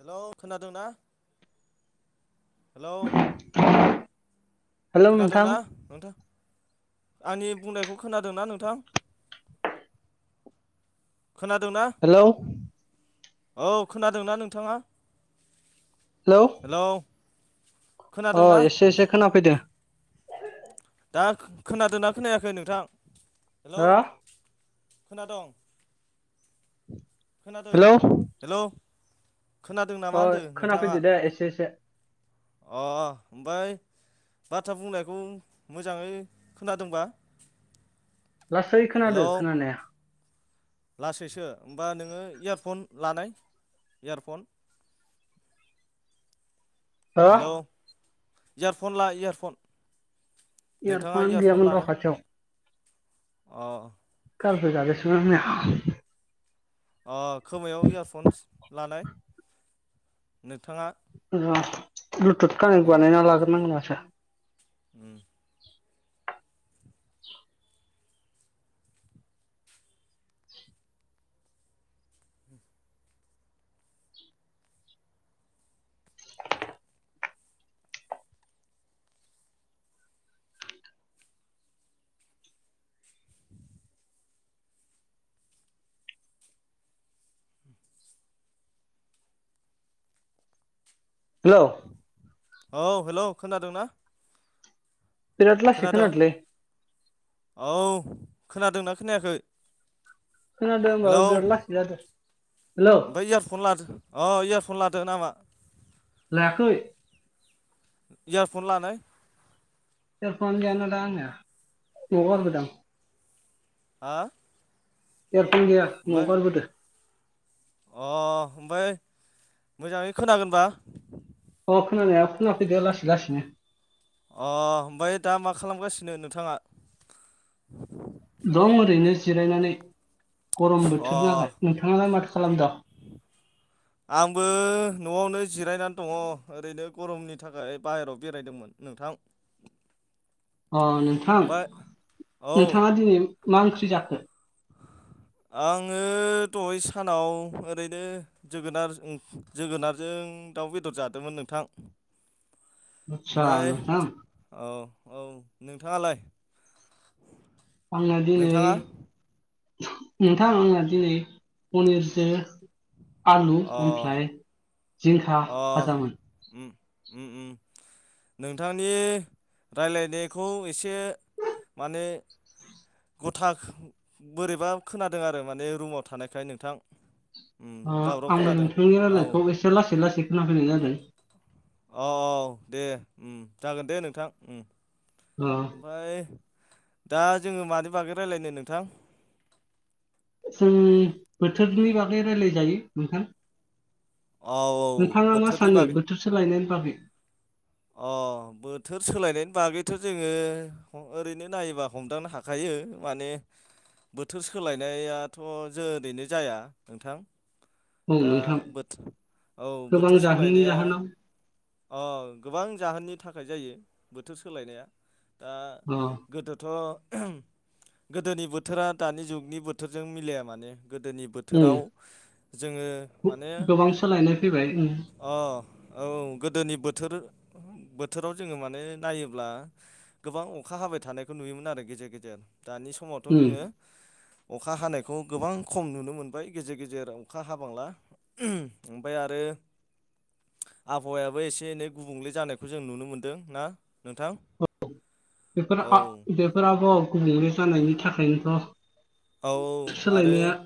Hello खोनादों ना hello hello नोंथां खोनादोंना नोंथां आंनि बुंनायखौ खोनादोंना नोंथां खोनादोंना हेलौ औ खोनादोंना नोंथाङा हेलौ हेल' अ एसे एसे खोना फैदों दा खोनादोंना खोनायाखै नोंथां हेलौ हो खोनादोंं खोनादों हेलौ हेलौ खोनादों नामा अ होनदों नोंथाङा खोनााखैदो दे एसे एसे अ ओ ओमफ्राय बाथ्रा बुंनायखौ मोजाङै खोनादोंबा लासै हेलौ खोनादो खोनानाया लासैसो होमबा नोङो इयारफन लानाय इयारफन हो हेल' इयारफन ला इयारफन नोंथाङा इयारफन गैमोन र लानो खा'थियाव अ काल फ ज स [unintelligible] अ खोमायाव इयारफन्स लानाय नोंथाङा र उम ब्लुटुथ कानेक्ट बानायना लाग्रोनांगोन मासो उ हेल' औ हेलौ खोनादोंना बिराद लासै खोनादों खोनादोलै औ खोनादोंना खोनायाखै खोनादों होनबाबो हेलौ बिराद लासै जादों ओमफ्राय इयारफन लादो अ इयारफन लादो नामा लायाखै इयारफन लानाय एयारफनानो गैया ना दा आंनिया नवाव गारबोदों हा एयारफन गैया नवाव ओमफ्राय गारबोदो अ ओमफ्राय मोजाङै खोनागोनबा अ खोनानाया फैदो लासैलासैनो अ ओमफ्राय दा मा खालामगासिनो नोंथाङा दं ओरैनो जिरायनानै गरम अ बोथोर नालाय नोंथाङालाय माथो खालामदों आंबो न'आवनो जिरायनानै दङ ओरैनो गरमनि थाखाय बाहेरायाव बेरायदोंमोन नोंथां अ नोंथां ओमफ्राय औ नोंथाङा दिनै मा ओंख्रि जाखो [inaudible] आङो दहाय सानाव ओरैनो जोगोनार जोगोनारजों आ दाउ बेदर जादोंमोन नोंथां आदसा ओमफ्राय नोंथां औ औ नोंथाङालाय आंना दि नै नोंथाङा नोंथां आंना दिनै पनिरजों आलु अ ओमफ्राय जिंखा अ फाजामोन उम उम उ नोंथांनि राय्लायनायखौ एसे माने गथा बोरैबा खोनादों आरो माने रुमाव थानायखाय नोंथां उम दावराव आं खोनादों नोंथांनि औ रायनायखौ एसे लासै लासै खोनाफैनाय जादों औ औ दे जागोन दे नोंथां ओ ओमफाय दा जोङो मानि बागै रायज्लायनो नोंथां जों बोथोरनि बागै रायलाय जायो नोंथां औ नोंथाङा मा बोथोरनि सानो बागै बोथोरसे लायनायनि बागै अ बोथोर सोलायनायनि बागैथ' जोङो ओरैनो नायोबा हमदांनो हाखायो माने बोथोर सोलायनायाथ' ज ओरैनो जाया नोंथां औ दा नोंथां औ गोबां बोथोर जाहोननि सोलायनाया जाहोनाव अ गोबां जाहोननि थाखाय जायो बोथोर सोलायनाया दा अ गोदोथ' गोदोनि बोथोरा दानि जुगनि बोथोरजों मिलाया माने गोदोनि उम बोथोराव जोङो माने गोबां सोलायनाय फैबाय अ औ गोदोनि बोथोर बोथोराव जोङो माने नायोब्ला गोबां अखा हाबाय थानायखौ नुयोमोन आरो गेजेर गेजेर दानि समावथ' उम जोङो अखा हानायखौ गोबां खम नुनो मोनबाय गेजेर गेजेर अखा हाबांला ओमफ्राय आरो आबहावायाबो एसे एनै गुबुंले जानायखौ जों नुनो मोनदों ना नोंथां बेफोर औ बेफोरबौ गुबुंले जानायनि औ थाखायनोथ' आरो सोलायनाया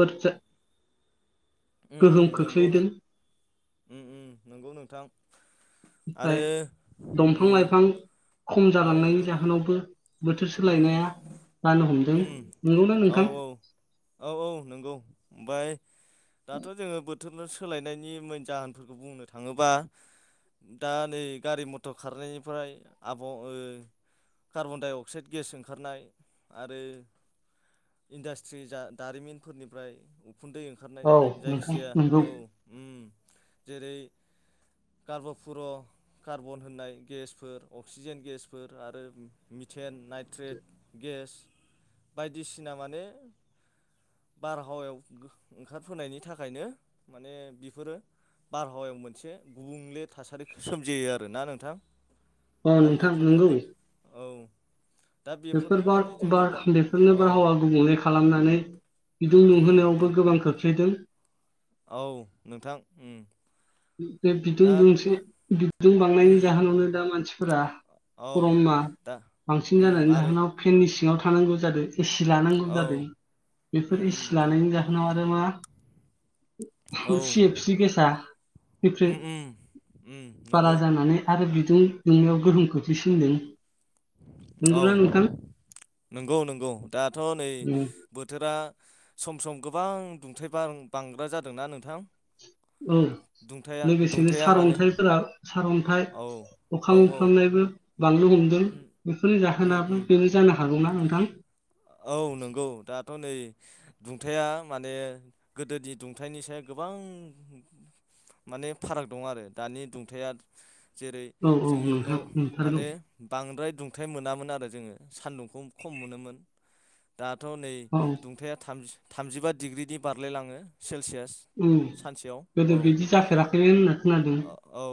बोरथि [unintelligible] ओ ओ नोंगौ नंगौ नोंथां ओमफ्राय आरो दंफां उम लाइफां खम औ जालांनायनि द जाहोनावबो बोथोर उम सोलायनाया जानो हमदों उम नंगौना औ नोंथां ओमफाय दाथ' जोङो बोथोर बोथोरनो सोलायनायनि मेन जाहोनफोरखौ बुंनो थाङोबा दा नै गारि मथर खारनायनिफ्राय आब' carbon dioxide oxide gas ओंखारनाय आरो इन्डास्ट्रि दारिमिनफोरनिफ्राय उखुन्दै ओंखारनाय औ नोंथां जायखिजाया नंगौ औ जेरै कार्ब'पुर' कार्बन होननाय गेसफोर अक्सिजेन गेसफोर आरो मिथेन नाइट्रेट गेस बायदिसिना माने बारहावायाव ओंखारफोनायनि थाखायनो माने बेफोरो बारहावायाव मोनसे गुबुंले थासारिखौ सोमजियो आरोना नोंथां औ दा नोंथां बेफोरनो नंगौ औ दा बेफोर बेफोरनो बार माने जोंनि बार बा बेफोरनो औ बारहावा गुबुंलै खालामनानै बिदुं उम लुंहोनायावबो नों गोबां खोख्लैदों औ नोंथां बे बिदुं दा दुंसे बिदुं बांनायनि उम जाहोनावनो दा मानसिफोरा औ गरमा दा बांसिन उम जानायनि आरो जाहोनाव फेननि सिङाव थानांगौ जादों एसि लानांगौ औ जादों उम बेफोर एसि उम लानायनि जाहोनाव आरो मा औ सि एफसि गेसा एप्रिल उम उम उम बारा नंगौ जानानै आरो बिदि जों दुंनायाव गोहोम खोख्लैसिनदों औ नंगौना नोंथां नंगौ नंगौ दाथ' नै बोथोरा सम सम गोबां दुंथाय बांग्रा जादोंना नोंथां औ दुंथाया लोगोसेनो दुंथाया माने सारन्थाइफोरा सारअन्थाइ औ औ अखां औ मोफ्लामनायबो बांबोनो हमदों बेफोरनि उम उम जाहोनाबो बेबो जानो हागौ ना नोंथां औ नंगौ दाथ' नै दुंथाया माने गोदोनि दुंथनि सायाव गोबां माने फाराग दं आरो दानि दुंथाया जेरै औ औ जोङो न' नोंथां नंथारगौ माने बांद्राय दुं थाइ मोनामोन आरो जोङो सान्दुंखौ खम मोनोमोन दाथ' नै औ दुंथायाम थामजिबा डिग्रिनि बारलायलाङो सेलसियास औ सानसेयाव गोदो औ बिदि जाफेराखैमोन होनना खोनादों औ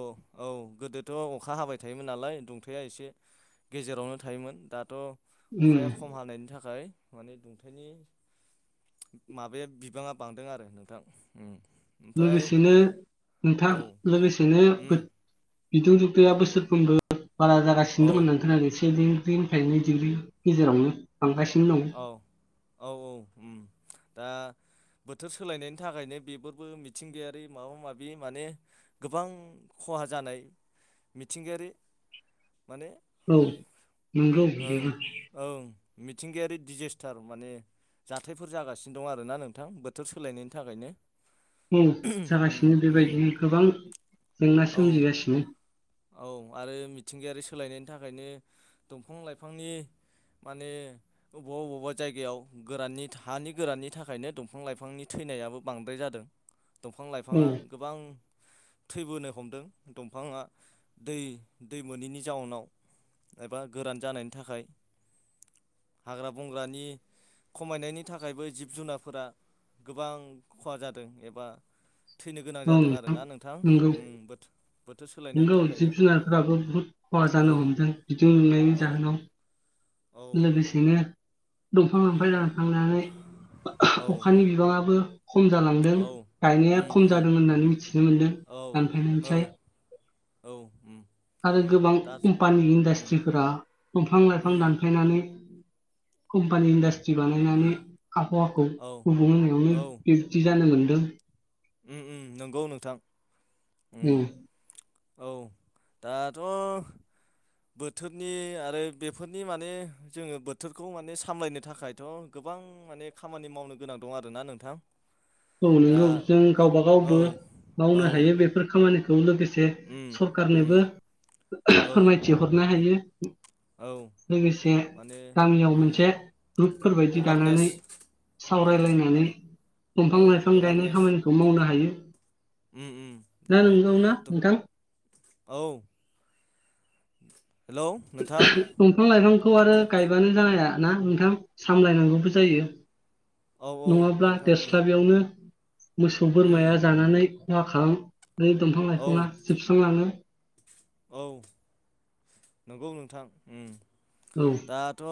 औ गोदोथ' अखा हाबाय थायोमोन नालाय दुंथाया एसे गेजेरावनो थायोमोन दाथ' उम अखाया खम हानायनि थाखाय माने दुंथायाइनि माबाया बिबाङा बांदों आरो नोंथां ओम लोगोसेनो नोंथां औ लोगोसेनो फो उम बिदुं दुंथाया बोसोरफ्रोमबो बारा जागासिनो औ दोङो नोंथां एसे एनै [unintelligible] डिग्रि गेजेरावनो बांगासिनो दं औ औ औ ओम दा बोथोर सोलायनायनि थाखायनो बेफोरबो मिथिंगायारि माबा माबि माने गोबां खहा जानाय मिथिंगायारि माने औ नंगौ ओं बेबो ओं मिथिंगायारि दिजेस्टार माने जाथायफोर जागासिनो दं आरोना नोंथां बोथोर सोलायनायनि थाखायनो औ उम जागासिनो उम बेबायदिनो गोबां जेंना औ सोमजिगासिनो औ आरो मिथिंगायारि सोलायनायनि थाखायनो दंफां लाइफांनि माने बबेबा बबेबा जायगायाव गोराननि हानि गोराननि थाखायनो दंफां लाइफांनि थै थैनायाबो बांद्राय जादों दंफां औ लाइफाङा गोबां थैबोनो हमदों दंफाङा दै दै मोनिनि जाउनाव एबा गोरान जानायनि थाखाय हाग्रा बंग्रानि खमायनायनि थाखायबो जिब जुनारफोरा गोबां खहा जादों एबा थैनो गोनां औ जादों आरोना नोंथां नंगौ बोथो बोथोर सोलायनायनि नंगौ थाखायनो जिब जुनारफोराबो बुहुद खहा औ जानो हमदों बिदुं दुंनायनि औ जाहोनाव औ लोगोसेनो दंफां [unintelligible] थांनानै औ अखानि बिबाङाबो खम जालांदों औ गायनाया उम खम उम जादों होननानै मिथिनो मोन्दों औ औ दानफायनायनिफ्राय औ ओम आरो गोबां कम्पानि इन्डास्ट्रिफोरा दंफां उम लाइफां दानफायनानै कम्पानि इन्डास्ट्रि बानायनानै आबहावाखौ औ गुबुं होनावनो बिबदि जानो मोन। [unintelligible] ओम ओम नंगौ नोंथां। उम ओम औ दाथ' बोथोरनि आरो बेफोरनि माने जोङो बोथोरखौ माने सामलायनो थाखायथ' गोबां माने खामानि मावनो गोनां दं आरोना नोंथां। औ नोंगौ दा जों गावबागावबो औ मावनो औ हायो बेफोर खामानिखौ लोगोसे उम सरखारनोबो उम औ फोरमायथि हरनो हायो। औ लोगोसे माने गामियाव मोनसे उम ग्रुपफोरबायायदि एवारनेस दानानै औ सावरायलायनानै आरो औ दंफां लाइफां गायनाय खामानिखौ मावनो हायो। ओम ओम ना दा नंगौ ना नोंथां औ। [unintelligible] नोंथां दंफां लाइफांखौ आरो गायबानो जाया ना नोंथां। सामलायनांगौबो औ जायो औ औ नङाब्ला नोंथां उम देरस्लाबयावनो मोसौ उम बोरमाया जानानै खहा खालाम दंफां औ लाइफाङा जोबस्रांलाङो। औ नंगौ नोंथां ओम औ दाथ'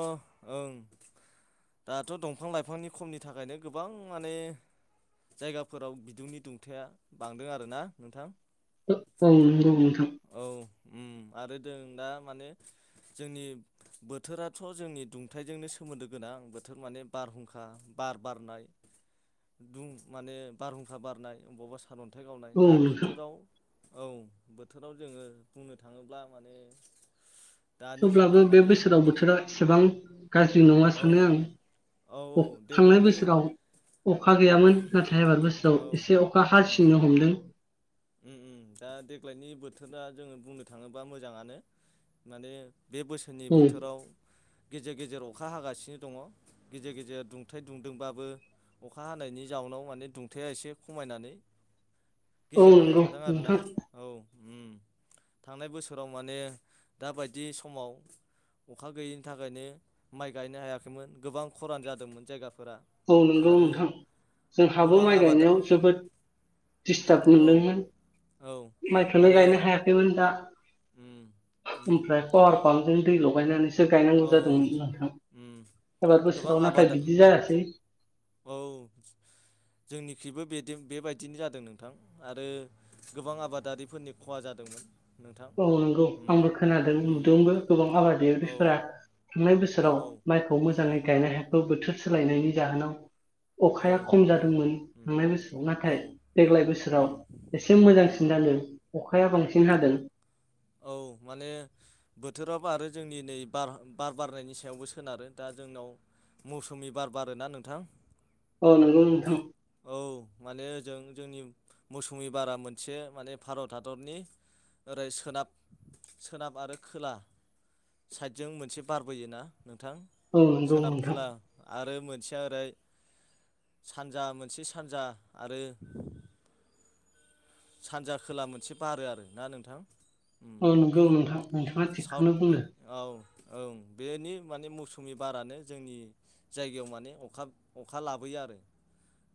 ओं दाथ' दंफां लाइफांनि खमनि थाखायनो गोबां माने जायगाफोराव बिदुंनि दुंथाया बांदों आरोना नोंथां। औ नोंगौ नोंथां ओम आरो जों दा माने जोंनि बोथोराथ' जोंनि दुंथाइजोंनो सोमोन्दो गोनां बोथोर माने बारहुंखा बार बारनाय दुं माने बारहुंखा बारनाय अबावबा सार अ न्थाइ गावनाय औ दा नोंथां बोथोराव औ बोथोराव जोङो बुंनो थाङोब्ला माने दानि थेवब्लाबो जुगाव बे माने बोसोराव बोथोरा एसेबां गाज्रि नङा औ सानो आं औ अख औ थांनाय देग्लायनि बोसोराव। अखा गैयामोन नाथाय एबार बोसोराव औ एसे अखा उम हासिननो हमदों। उम उम दा देग्लायनि बोथोरा जोङो बुंनो थाङोब्ला मोजाङानो माने बे बोसोरनि औ बोथोराव गेजेर गेजेर अखा हागासिनो दङ' गेजेर गेजेर दुंथाइ दुंदोंबाबो। अखा हानायनि जाउनाव माने दुंथाया एसे खमायनानै औ गेजेरावनो नंगौ थादों आरोना नोंथां औ उम थांनाय बोसोराव माने दाबायदि समाव अखा गैयैनि थाखायनो माइ गायनो हायाखैमोन गोबां खरान जादोंमोन जायगाफोर औ नंगौ नोंथां जोंहाबो गोबां माइ आबादा गायनायाव जोबोद दिस्टाब औ मोनदोंमोन औ माइखौनो आरो गायनो हायाखैमोन दा। उम उम ओमफ्राय आरो पावार प्लानजों दै लगायनानैसो सो औ गायनांगौ औ जादोंमोन नोंथां उम एबार गोबां बोसोराव नाथाय आबादा बिदि जायासै। औ जोंनिख्रुइबो बेदि बेबायदिनो जादों नोंथां आरो गोबां आबादारिफोरनि खहा जादों। मोन। औ नंगौ आंबो खोनादों नुदोंबो गोबां औ आबादगिरिफोरा थांनाय औ बोसोराव माइखौ मोजाङै गायनो हायाखौ बोथोर सोलायनायनि जाहोनाव औ अखाया खम उम जादोंमोन उम थांनाय बोसोराव औ नाथाय देग्लाय उम बोसोराव एसे उम मोजांसिन जादों। अखाया बांसिन हादों। औ माने बोथोराबो आरो जोंनि नै बार बारनायनि सायावबो सोनारो दा जोंनाव मौसुमि बार बारोना नोंथां। औ नंगौ नोंथां। औ माने ओजों जोंनि मौसुमि बारा मोनसे माने भारत हादरनि ओरै सोनाब सोनाब आरो खोला साइडजों मोनसे बारबोयोना नोंथां औ नंगौ सोनाब नोंथां खोला आरो मोनसे ओरै सानजा मोनसे सानजा आरो सानजा खोला मोनसे बारो आरो ना नोंथां औ नंगौ नोंथां नोंथाङा साउथ थिगखौनो वे बुंदों। औ ओं बेनि माने मौसुमि बारानो जोंनि जायगायाव माने अखा अखा लाबोयो आरो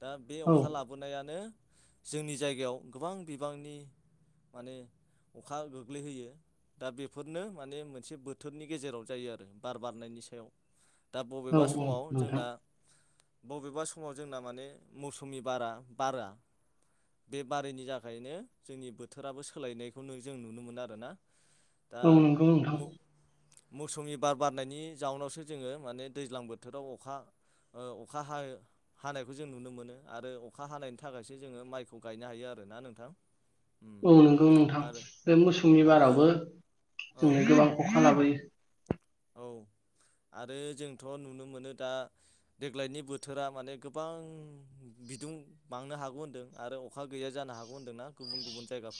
दा बे औ अखा लाबोनायानो जोंनि जायगायाव गोबां बिबांनि माने अखा गोग्लैहोयो। दा बेफोरनो माने मोनसे बोथोरनि गेजेराव जायो आरो बार बारनायनि सायाव। दा औ बबेबा औ समाव नोंथां जोंना बबेबा समाव जोंना माने मौसुमि बारा बारा बे बारिनि थाखायनो जोंनि बोथोराबो सोलायनायखौनो जों नुनो मोनो आरोना दा औ नंगौ नोंथां मौसुमि बार बारनायनि जाउनावसो जोङो माने दैज्लां बोथोराव अखा ओ अखा हा हानायखौ जों नुनो मोनो आरो अखा हानायनि थाखायसो जोङो माइखौ गायनो नो हायो आरोना नोंथां उम औ नंगौ नोंथां आरो बे मौसुमि आरो बारावबो औ जोंङो गोबां अखा उम लाबोयो। औ आरो जोंथ' नुनो मोनो दा देग्लायनि बोथोरा माने गोबां बिदुं बांनो हागौ होन्दों आरो अखा गैया जानो हागौ होन्दोंना गुबुन गुबुन जायगाफोर